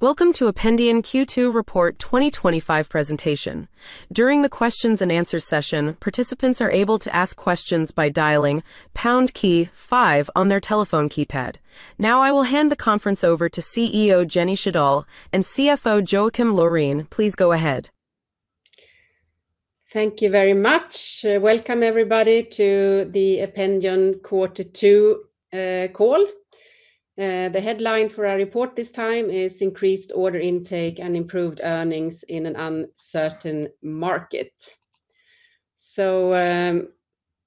Welcome to Ependion Q2 Report 2025 presentation. During the questions-and-answers session, participants are able to ask questions by dialing pound key-5 on their telephone keypad. Now, I will hand the conference over to CEO Jenny Sjödahl and CFO Joakim Laurén. Please go ahead. Thank you very much. Welcome, everybody, to the Ependion Quarter Two call. The headline for our report this time is "Increased Order Intake and Improved Earnings in an Uncertain Market."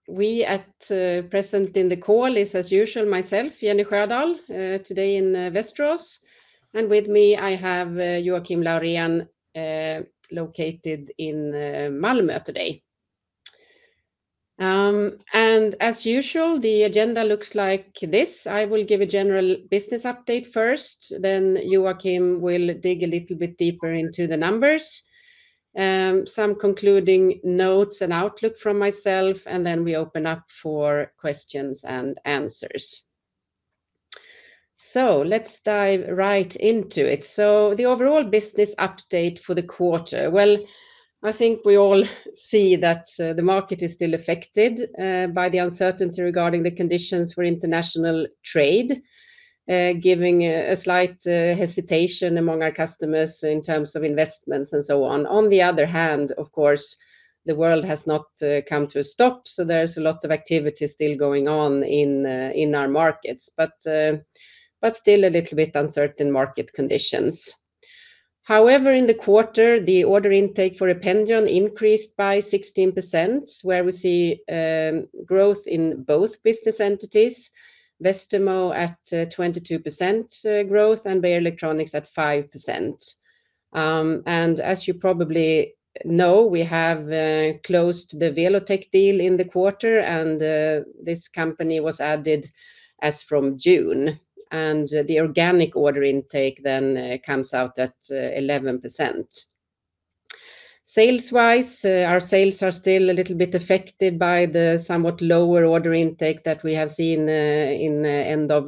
We are present in the call, as usual, myself, Jenny Sjödahl, today in Västerås, and with me, I have Joakim Laurén, located in Malmö today. As usual, the agenda looks like this: I will give a general business update first, then Joakim will dig a little bit deeper into the numbers, some concluding notes and outlook from myself, and then we open up for questions and answers. Let's dive right into it. The overall business update for the quarter: I think we all see that the market is still affected by the uncertainty regarding the conditions for international trade, giving a slight hesitation among our customers in terms of investments and so on. On the other hand, of course, the world has not come to a stop, so there is a lot of activity still going on in our markets, but still a little bit uncertain market conditions. However, in the quarter, the order intake for Ependion AB increased by 16%, where we see growth in both business entities: Westermo at 22% growth and Beijer Electronics at 5%. As you probably know, we have closed the Welotec deal in the quarter, and this company was added as from June, and the organic order intake then comes out at 11%. Sales-wise, our sales are still a little bit affected by the somewhat lower order intake that we have seen in the end of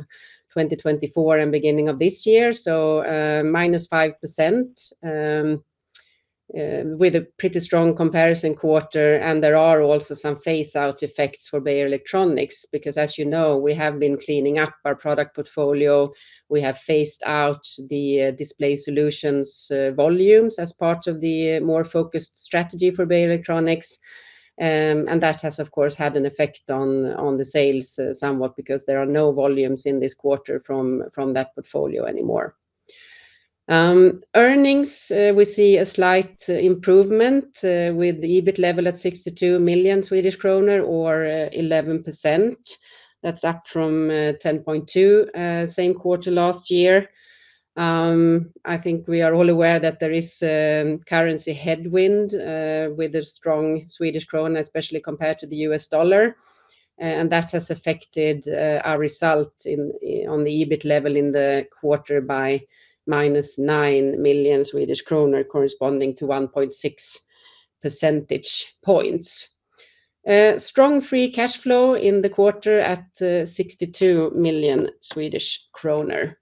2023 and beginning of this year, so -5%, with a pretty strong comparison quarter. There are also some phase-out effects for Beijer Electronics because, as you know, we have been cleaning up our product portfolio. We have phased out the display solutions volumes as part of the more focused strategy for Beijer Electronics, and that has, of course, had an effect on the sales somewhat because there are no volumes in this quarter from that portfolio anymore. Earnings, we see a slight improvement with the EBIT level at 62 million Swedish kronor, or 11%. That's up from 10.2%, same quarter last year. I think we are all aware that there is a currency headwind with a strong Swedish krona, especially compared to the U.S. dollar, and that has affected our result on the EBIT level in the quarter by minus 9 million Swedish kronor, corresponding to 1.6 percentage points. Strong free cash flow in the quarter at 62 million Swedish kronor.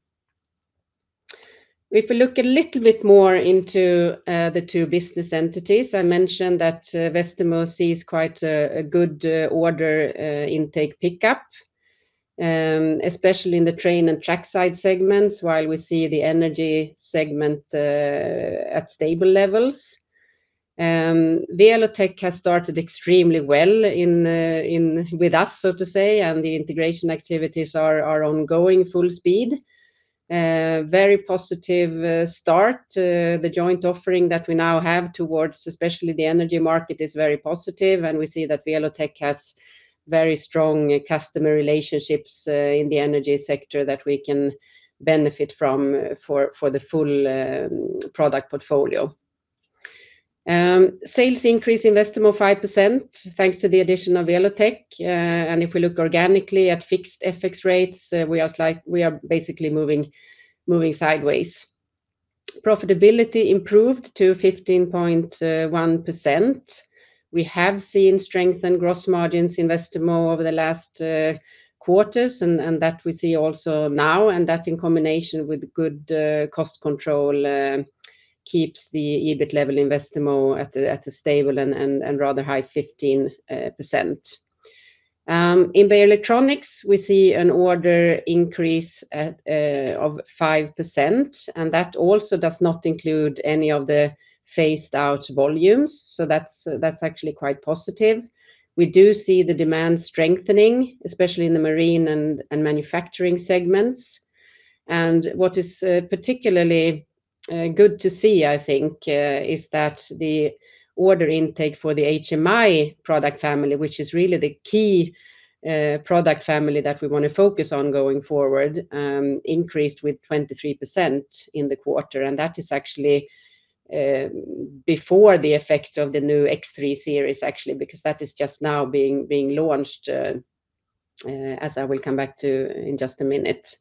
If we look a little bit more into the two business entities, I mentioned that Westermo sees quite a good order intake pickup, especially in the train and track side segments, while we see the energy segment at stable levels. Welotec has started extremely well with us, so to say, and the integration activities are ongoing full speed. Very positive start. The joint offering that we now have towards especially the energy market is very positive, and we see that Welotec has very strong customer relationships in the energy sector that we can benefit from for the full product portfolio. Sales increase in Westermo 5% thanks to the addition of Welotec GmbH, and if we look organically at fixed FX rates, we are basically moving sideways. Profitability improved to 15.1%. We have seen strength in gross margins in Westermo over the last quarters, and that we see also now, and that in combination with good cost control keeps the EBIT level in Westermo at a stable and rather high 15%. In Beijer Electronics, we see an order increase of 5%, and that also does not include any of the phased-out volumes, so that's actually quite positive. We do see the demand strengthening, especially in the marine and manufacturing segments, and what is particularly good to see, I think, is that the order intake for the HMI product family, which is really the key product family that we want to focus on going forward, increased with 23% in the quarter, and that is actually before the effect of the new X3 series, actually, because that is just now being launched, as I will come back to in just a minute.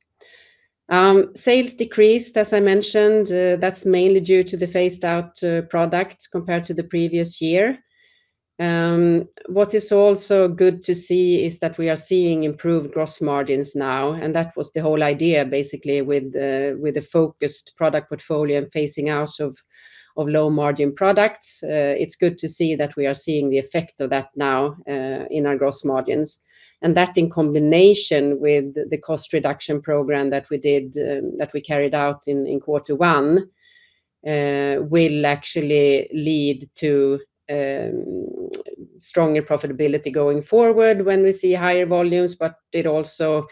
Sales decreased, as I mentioned. That's mainly due to the phased-out products compared to the previous year. What is also good to see is that we are seeing improved gross margins now, and that was the whole idea, basically, with a focused product portfolio and phasing out of low-margin products. It's good to see that we are seeing the effect of that now in our gross margins, and that in combination with the cost reduction program that we did, that we carried out in quarter one, will actually lead to stronger profitability going forward when we see higher volumes, but it also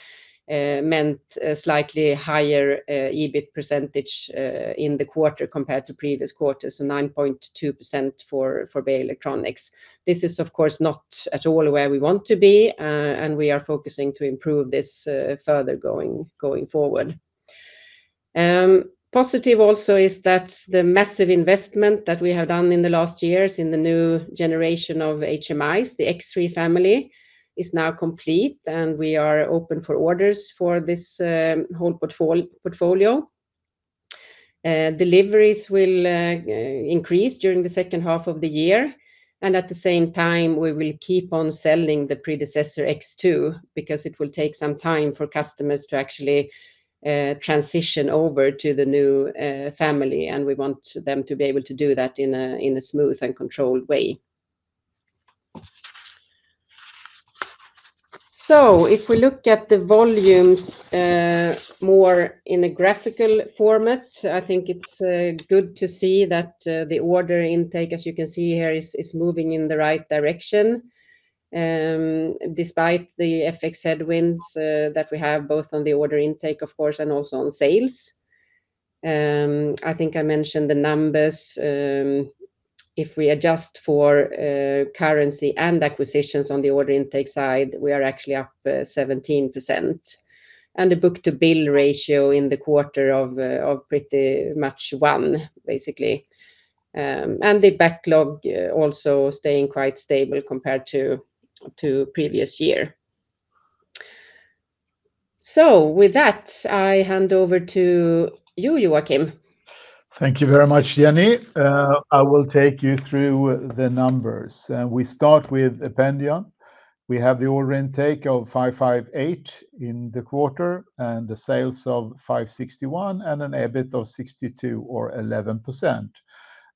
meant a slightly higher EBIT percentage in the quarter compared to previous quarters, so 9.2% for Beijer Electronics. This is, of course, not at all where we want to be, and we are focusing to improve this further going forward. Positive also is that the massive investment that we have done in the last years in the new generation of HMIs, the X3 series, is now complete, and we are open for orders for this whole portfolio. Deliveries will increase during the second half of the year, and at the same time, we will keep on selling the predecessor X2 because it will take some time for customers to actually transition over to the new series, and we want them to be able to do that in a smooth and controlled way. If we look at the volumes more in a graphical format, I think it's good to see that the order intake, as you can see here, is moving in the right direction despite the FX headwinds that we have both on the order intake, of course, and also on sales. I think I mentioned the numbers. If we adjust for currency and acquisitions on the order intake side, we are actually up 17%, and the book-to-bill ratio in the quarter of pretty much one, basically, and the backlog also staying quite stable compared to the previous year. With that, I hand over to you, Joakim. Thank you very much, Jenny. I will take you through the numbers. We start with Ependion. We have the order intake of 558 million in the quarter and the sales of 561 million and an EBIT of 62 million, or 11%.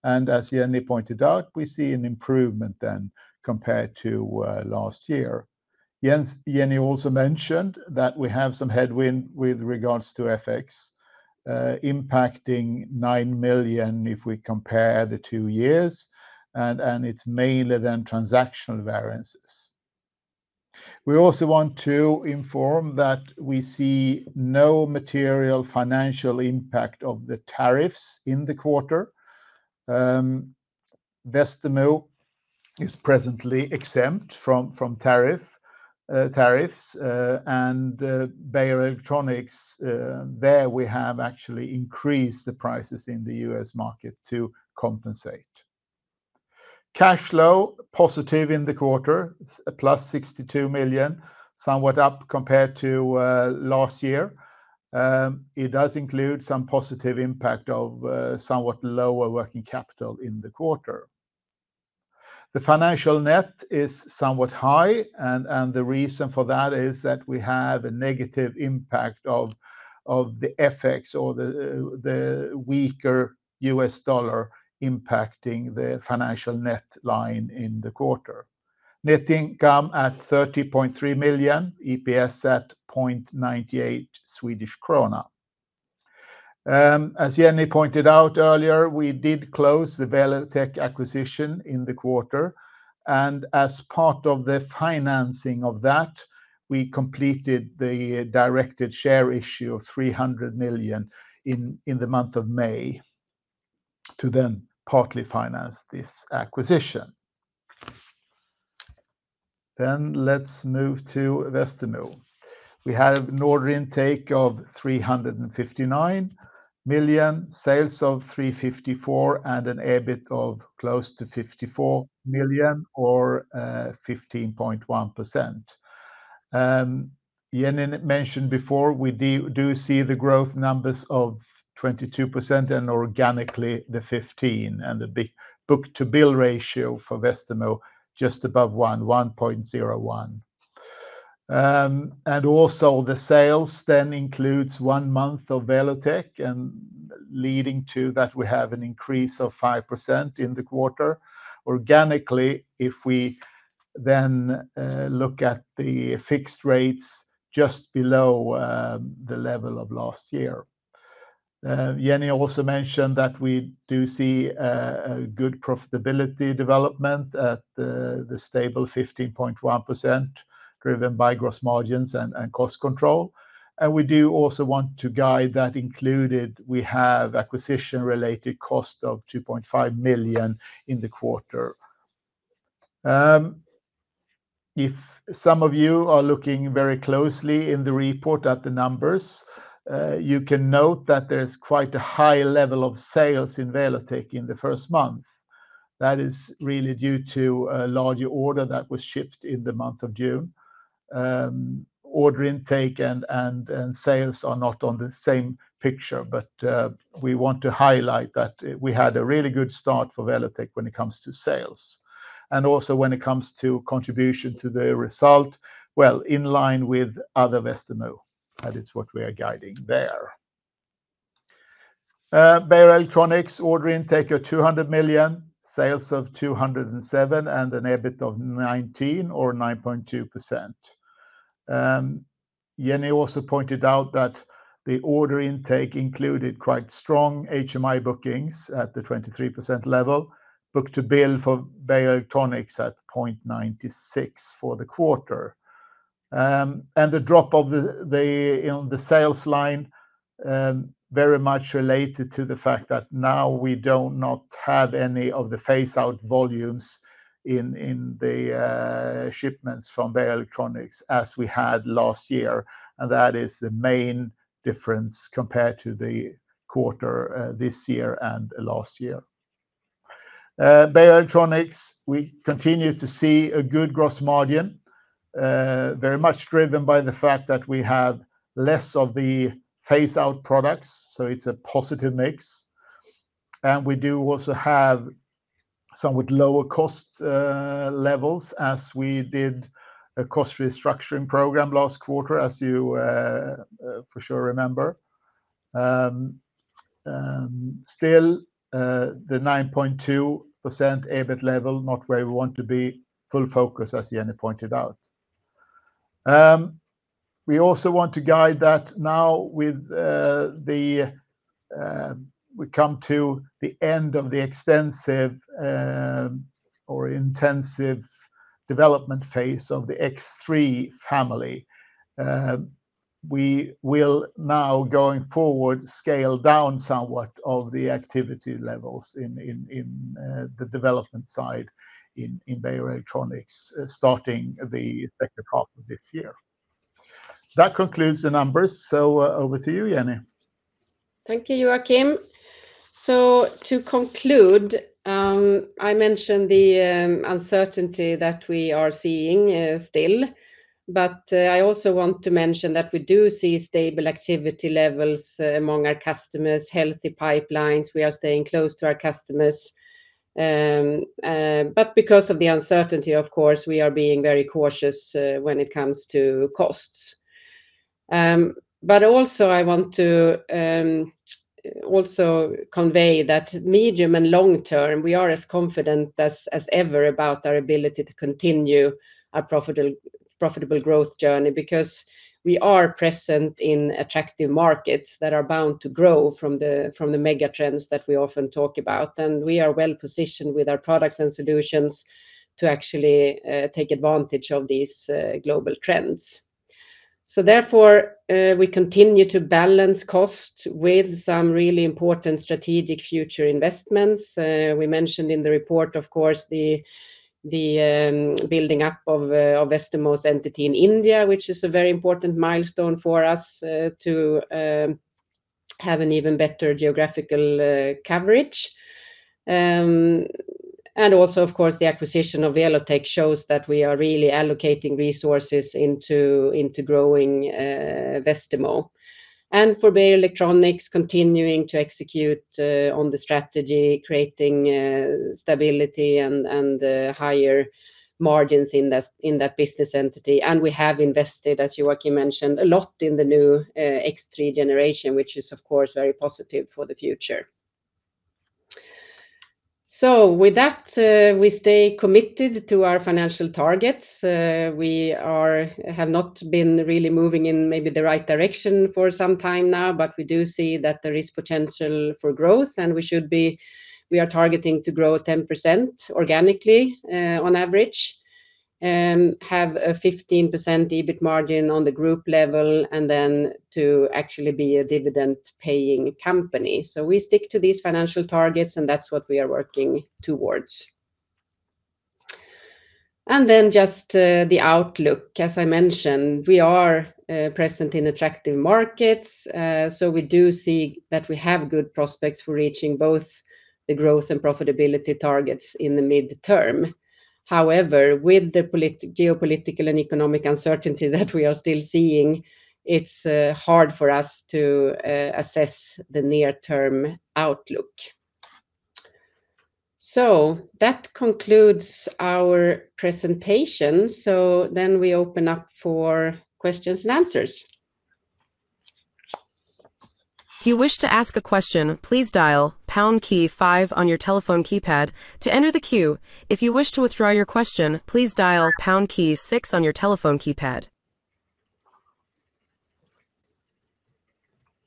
As Jenny pointed out, we see an improvement then compared to last year. Jenny also mentioned that we have some headwind with regards to FX impacting 9 million if we compare the two years, and it's mainly then transactional variances. We also want to inform that we see no material financial impact of the tariffs in the quarter. Westermo is presently exempt from tariffs, and Beijer Electronics, there we have actually increased the prices in the U.S. market to compensate. Cash flow positive in the quarter, plus 62 million, somewhat up compared to last year. It does include some positive impact of somewhat lower working capital in the quarter. The financial net is somewhat high, and the reason for that is that we have a negative impact of the FX or the weaker U.S. dollar impacting the financial net line in the quarter. Net income at 30.3 million, EPS at 0.98 Swedish krona. As Jenny pointed out earlier, we did close the Welotec acquisition in the quarter, and as part of the financing of that, we completed the directed share issue of 300 million in the month of May to then partly finance this acquisition. Next, we move to Westermo. We have an order intake of 359 million, sales of 354 million, and an EBIT of close to 54 million, or 15.1%. Jenny mentioned before, we do see the growth numbers of 22% and organically the 15%, and the book-to-bill ratio for Westermo just above one, 1.01. Also, the sales then include one month of Welotec, and leading to that, we have an increase of 5% in the quarter organically if we then look at the fixed rates just below the level of last year. Jenny also mentioned that we do see a good profitability development at the stable 15.1% driven by gross margins and cost control, and we do also want to guide that included we have acquisition-related cost of 2.5 million in the quarter. If some of you are looking very closely in the report at the numbers, you can note that there is quite a high level of sales in Welotec GmbH in the first month. That is really due to a larger order that was shipped in the month of June. Order intake and sales are not on the same picture, but we want to highlight that we had a really good start for Welotec GmbH when it comes to sales. Also, when it comes to contribution to the result, in line with other Westermo, that is what we are guiding there. Beijer Electronics order intake of 200 million, sales of 207 million, and an EBIT of 19 million, or 9.2%. Jenny also pointed out that the order intake included quite strong HMI bookings at the 23% level, book-to-bill for Beijer Electronics at 0.96 for the quarter, and the drop of the sales line very much related to the fact that now we do not have any of the phase-out volumes in the shipments from Beijer Electronics as we had last year, and that is the main difference compared to the quarter this year and last year. Beijer Electronics, we continue to see a good gross margin, very much driven by the fact that we have less of the phase-out products, so it's a positive mix, and we do also have somewhat lower cost levels as we did a cost restructuring program last quarter, as you for sure remember. Still, the 9.2% EBIT level, not where we want to be, full focus, as Jenny pointed out. We also want to guide that now we come to the end of the extensive or intensive development phase of the X3 series. We will now, going forward, scale down somewhat of the activity levels in the development side in Beijer Electronics starting the second half of this year. That concludes the numbers, so over to you, Jenny. Thank you, Joakim. To conclude, I mentioned the uncertainty that we are seeing still, but I also want to mention that we do see stable activity levels among our customers, healthy pipelines. We are staying close to our customers, but because of the uncertainty, of course, we are being very cautious when it comes to costs. I want to also convey that medium and long term, we are as confident as ever about our ability to continue our profitable growth journey because we are present in attractive markets that are bound to grow from the mega trends that we often talk about, and we are well positioned with our products and solutions to actually take advantage of these global trends. Therefore, we continue to balance costs with some really important strategic future investments. We mentioned in the report, of course, the building up of Westermo's entity in India, which is a very important milestone for us to have an even better geographical coverage. Also, of course, the acquisition of Welotec shows that we are really allocating resources into growing Westermo. For Beijer Electronics, continuing to execute on the strategy, creating stability and higher margins in that business entity. We have invested, as Joakim mentioned, a lot in the new X3 series, which is, of course, very positive for the future. With that, we stay committed to our financial targets. We have not been really moving in maybe the right direction for some time now, but we do see that there is potential for growth, and we are targeting to grow 10% organically on average, have a 15% EBIT margin on the group level, and then to actually be a dividend-paying company. We stick to these financial targets, and that's what we are working towards. Just the outlook, as I mentioned, we are present in attractive markets, so we do see that we have good prospects for reaching both the growth and profitability targets in the midterm. However, with the geopolitical and economic uncertainty that we are still seeing, it's hard for us to assess the near-term outlook. That concludes our presentation. We open up for questions-and-answers. If you wish to ask a question, please dial pound key-5 on your telephone keypad to enter the queue. If you wish to withdraw your question, please dial pound key-6 on your telephone keypad.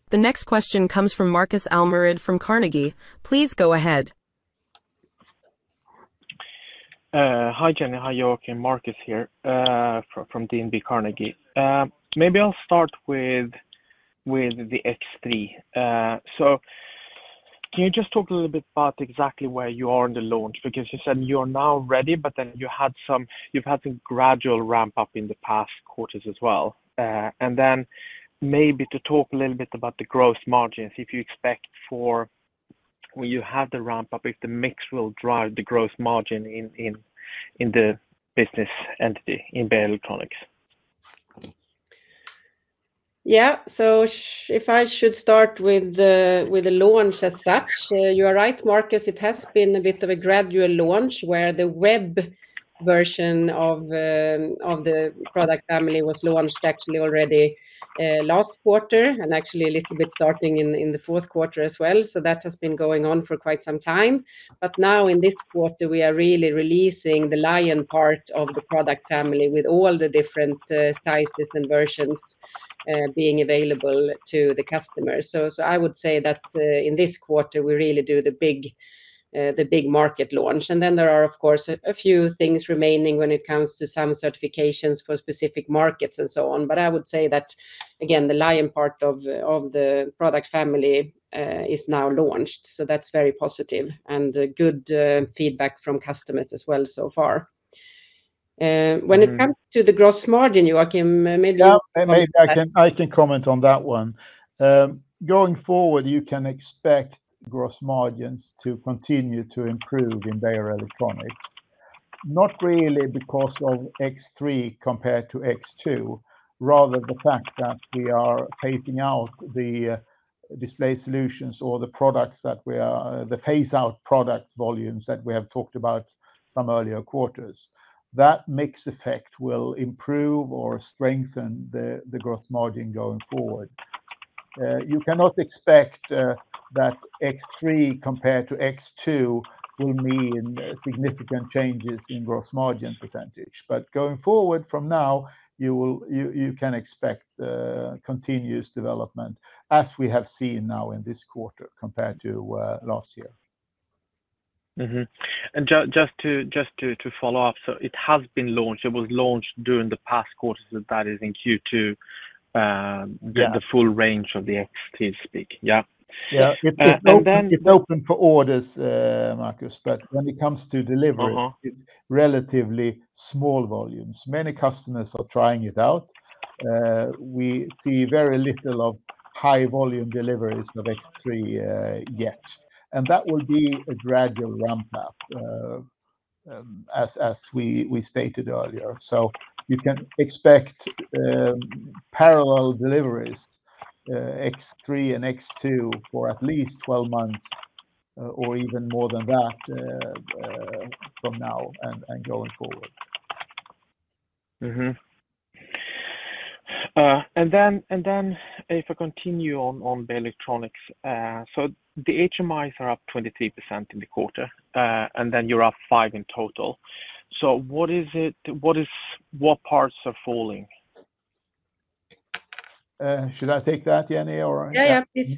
The next question comes from Marcus Almorud from Carnegie. Please go ahead. Hi, Jenny. Hi, Joakim. Marcus here from DNB Carnegie. Maybe I'll start with the X3. Can you just talk a little bit about exactly where you are in the launch? You said you are now ready, but you've had some gradual ramp-up in the past quarters as well. Maybe talk a little bit about the gross margins, if you expect for when you have the ramp-up, if the mix will drive the gross margin in the business entity in Beijer Electronics. Yeah. If I should start with the launch as such, you are right, Marcus. It has been a bit of a gradual launch where the web version of the product family was launched actually already last quarter and actually a little bit starting in the fourth quarter as well. That has been going on for quite some time. In this quarter, we are really releasing the lion part of the product family with all the different sizes and versions being available to the customers. I would say that in this quarter, we really do the big market launch. There are, of course, a few things remaining when it comes to some certifications for specific markets and so on. I would say that, again, the lion part of the product family is now launched, so that's very positive and good feedback from customers as well so far. When it comes to the gross margin, Joakim, maybe. Maybe I can comment on that one. Going forward, you can expect gross margins to continue to improve in Beijer Electronics, not really because of X3 compared to X2, rather the fact that we are phasing out the display solutions or the products that are the phase-out product volumes that we have talked about some earlier quarters. That mix effect will improve or strengthen the gross margin going forward. You cannot expect that X3 compared to X2 will mean significant changes in gross margin percentage. Going forward from now, you can expect continuous development as we have seen now in this quarter compared to last year. Just to follow up, it has been launched. It was launched during the past quarters, that is in Q2, the full range of the X3 series to speak. Yeah? Yeah. It's open for orders, Marcus, but when it comes to delivery, it's relatively small volumes. Many customers are trying it out. We see very little of high-volume deliveries of X3 yet. That will be a gradual ramp-up, as we stated earlier. You can expect parallel deliveries, X3 and X2, for at least 12 months or even more than that from now and going forward. If I continue on Beijer Electronics, the HMIs are up 23% in the quarter, and you're up 5% in total. What is it? What parts are falling? Should I take that, Jenny, or? Yeah, please.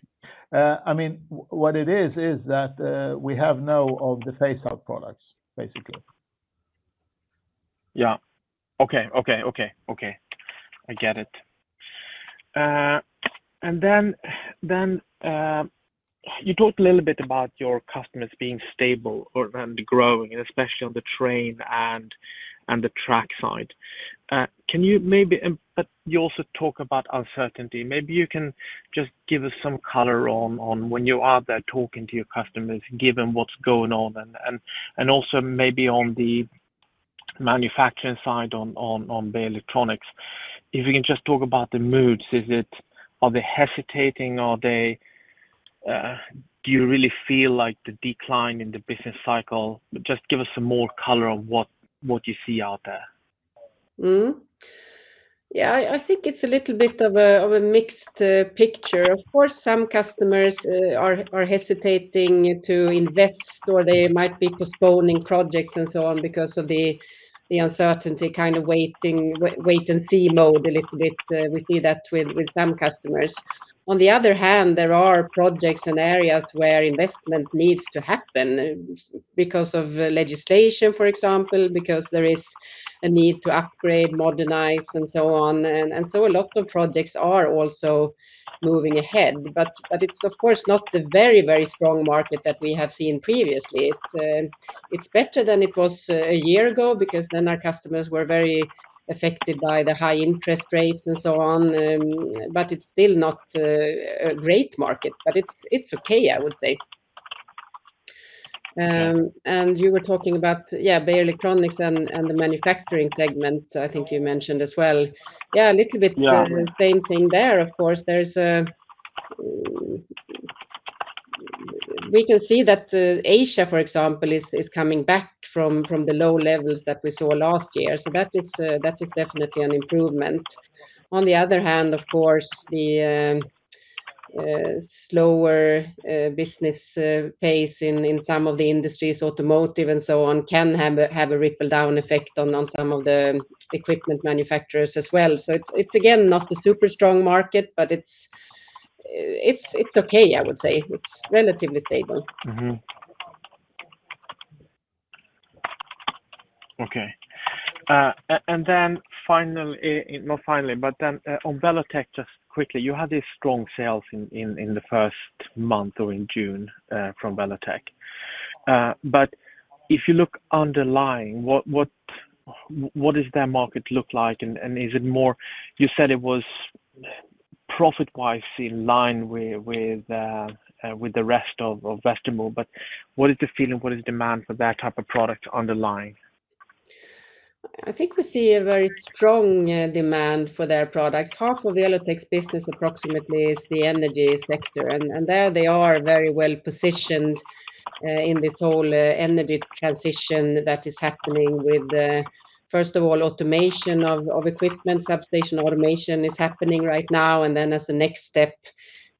I mean, what it is is that we have none of the phase-out products, basically. Okay. I get it. You talked a little bit about your customers being stable and growing, especially on the train and the track side. You also talk about uncertainty. Maybe you can just give us some color on when you are there talking to your customers, given what's going on, and also maybe on the manufacturing side on Beijer Electronics. If you can just talk about the moods, are they hesitating? Do you really feel like the decline in the business cycle? Just give us some more color on what you see out there. Yeah. I think it's a little bit of a mixed picture. Of course, some customers are hesitating to invest, or they might be postponing projects and so on because of the uncertainty, kind of wait-and-see mode a little bit. We see that with some customers. On the other hand, there are projects and areas where investment needs to happen because of legislation, for example, because there is a need to upgrade, modernize, and so on. A lot of projects are also moving ahead. It's not the very, very strong market that we have seen previously. It's better than it was a year ago because then our customers were very affected by the high interest rates and so on. It's still not a great market. It's okay, I would say. You were talking about, yeah, Beijer Electronics and the manufacturing segment, I think you mentioned as well. A little bit the same thing there, of course. We can see that Asia, for example, is coming back from the low levels that we saw last year. That is definitely an improvement. On the other hand, the slower business pace in some of the industries, automotive and so on, can have a ripple-down effect on some of the equipment manufacturers as well. It's again not a super strong market, but it's okay, I would say. It's relatively stable. Okay. Finally, on Welotec, just quickly, you had these strong sales in the first month or in June from Welotec. If you look underlying, what does that market look like, and is it more, you said it was profit-wise in line with the rest of Westermo, but what is the feeling? What is demand for that type of product underlying? I think we see a very strong demand for their products. Half of Welotec's business approximately is the energy sector, and there they are very well positioned in this whole energy transition that is happening with, first of all, automation of equipment. Substation automation is happening right now, and then as a next step,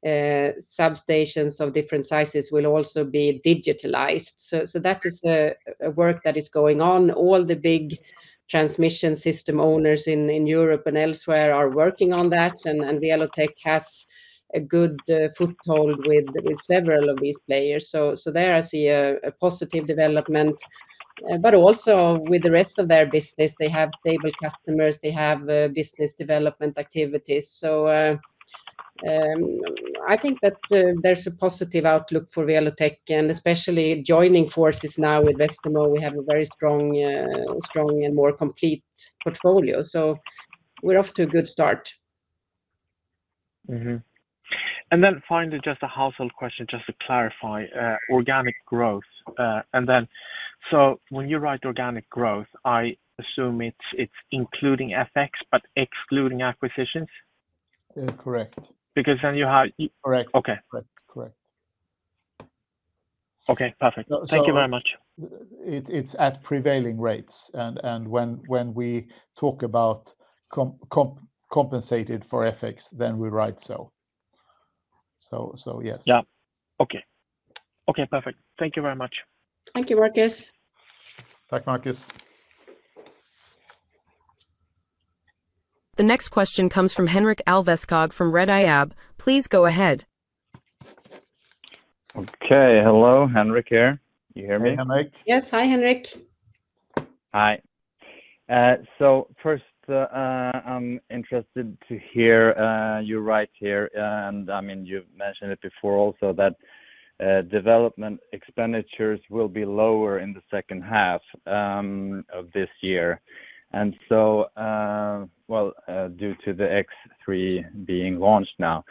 substations of different sizes will also be digitalized. That is a work that is going on. All the big transmission system owners in Europe and elsewhere are working on that, and Welotec has a good foothold with several of these players. There I see a positive development. Also, with the rest of their business, they have stable customers. They have business development activities. I think that there's a positive outlook for Welotec, and especially joining forces now with Westermo, we have a very strong and more complete portfolio. We're off to a good start. Finally, just a household question, just to clarify, organic growth. When you write organic growth, I assume it's including FX but excluding acquisitions? Correct. Because then you have. Correct. Okay. Correct. Okay. Perfect. Thank you very much. It's at prevailing rates, and when we talk about compensated for FX, then we write so. Yes. Okay. Perfect. Thank you very much. Thank you, Marcus. Thank you, Marcus. The next question comes from Henrik Alveskog from Redeye AB. Please go ahead. Okay. Hello. Henrik here. You hear me? Hi, Henrik. Yes. Hi, Henrik. Hi. First, I'm interested to hear you write here, and I mean, you mentioned it before also that development expenditures will be lower in the second half of this year. Due to the X3 series being launched now,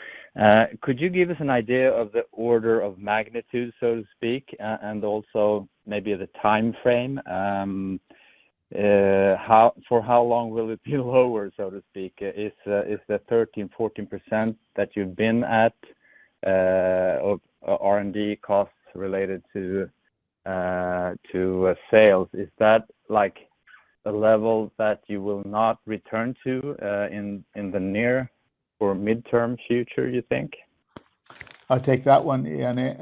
could you give us an idea of the order of magnitude, so to speak, and also maybe the time frame? For how long will it be lower, so to speak? Is the 13%, 14% that you've been at of R&D costs related to sales, is that like a level that you will not return to in the near or midterm future, you think? I'll take that one, Jenny.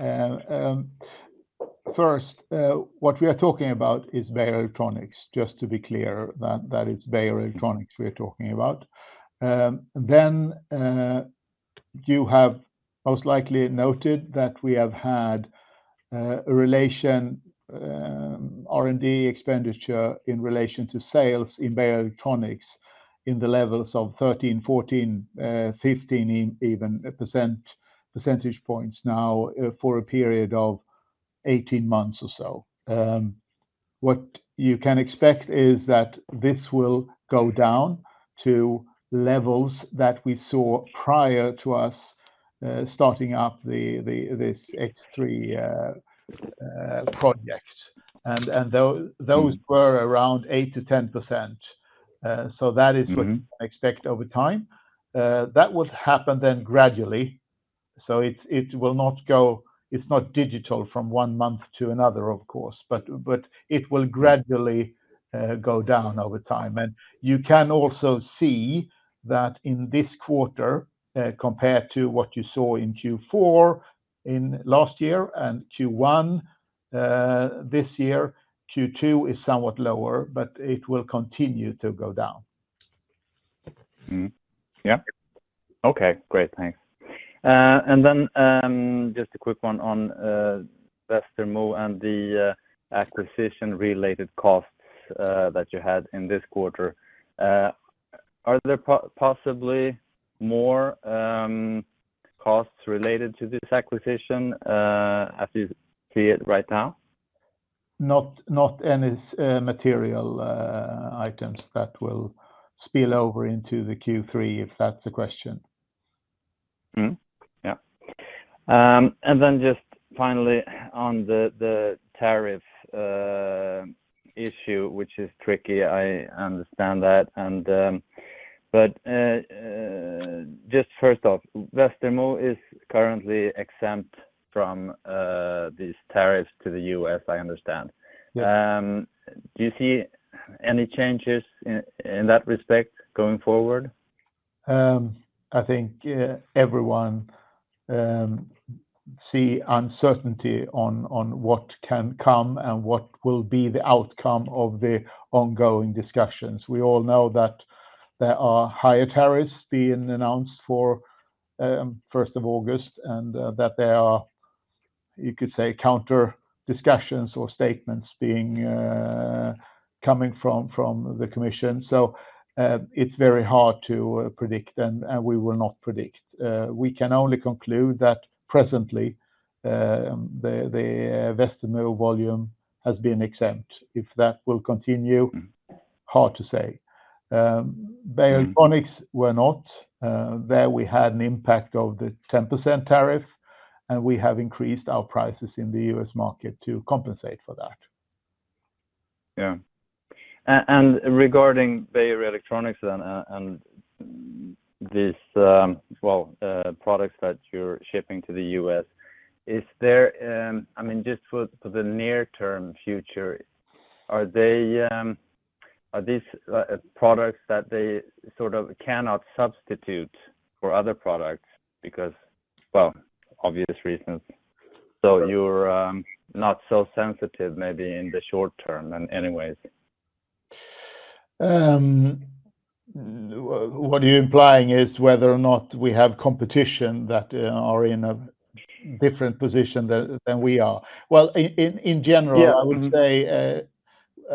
First, what we are talking about is Beijer Electronics, just to be clear that it's Beijer Electronics we are talking about. You have most likely noted that we have had a relation R&D expenditure in relation to sales in Beijer Electronics in the levels of 13%, 14%, 15% even percentage points now for a period of 18 months or so. What you can expect is that this will go down to levels that we saw prior to us starting up this X3 project, and those were around 8%-10%. That is what you can expect over time. That would happen gradually. It will not go, it's not digital from one month to another, of course, but it will gradually go down over time. You can also see that in this quarter, compared to what you saw in Q4 last year and Q1 this year, Q2 is somewhat lower, but it will continue to go down. Yeah. Okay. Great. Thanks. Just a quick one on Westermo and the acquisition-related costs that you had in this quarter. Are there possibly more costs related to this acquisition as you see it right now? Not any material items that will spill over into the Q3, if that's a question. Yeah. Finally, on the tariff issue, which is tricky, I understand that. First off, Westermo is currently exempt from these tariffs to the U.S., I understand. Do you see any changes in that respect going forward? I think everyone sees uncertainty on what can come and what will be the outcome of the ongoing discussions. We all know that there are higher tariffs being announced for August 1 and that there are, you could say, counter discussions or statements coming from the commission. It's very hard to predict, and we will not predict. We can only conclude that presently the Westermo volume has been exempt. If that will continue, hard to say. Beijer Electronics were not. There, we had an impact of the 10% tariff, and we have increased our prices in the U.S. market to compensate for that. Regarding Beijer Electronics and these products that you're shipping to the U.S., is there, I mean, just for the near-term future, are these products that they sort of cannot substitute for other products because, obvious reasons? You're not so sensitive maybe in the short term then anyways. What you're implying is whether or not we have competition that are in a different position than we are. In general, I would say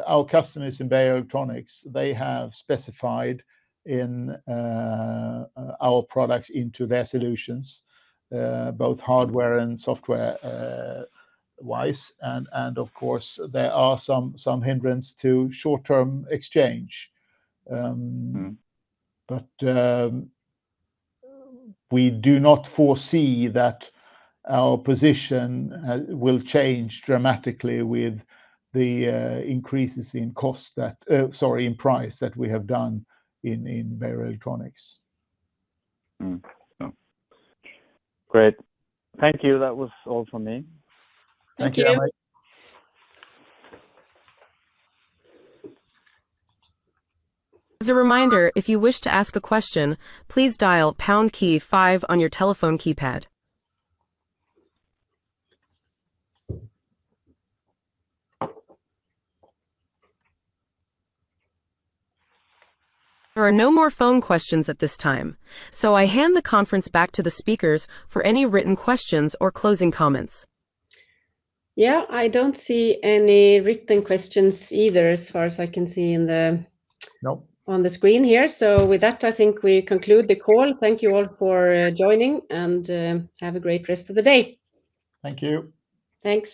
our customers in Beijer Electronics have specified our products into their solutions, both hardware and software-wise. Of course, there are some hindrances to short-term exchange. We do not foresee that our position will change dramatically with the increases in price that we have done in Beijer Electronics. Great. Thank you. That was all for me. Thank you, Henrik. As a reminder, if you wish to ask a question, please dial pound key- five on your telephone keypad. There are no more phone questions at this time. I hand the conference back to the speakers for any written questions or closing comments. I don't see any written questions either as far as I can see on the screen here. With that, I think we conclude the call. Thank you all for joining, and have a great rest of the day. Thank you. Thanks.